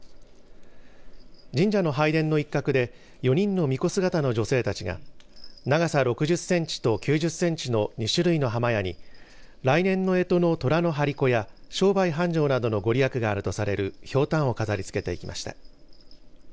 神社の拝殿の一角で４人のみこ姿の女性たちが長さ６０センチと９０センチの２種類の破魔矢に来年のえとのとらの張り子や商売繁盛などの御利益があるとされる、ひょうたんを飾りつけていきました。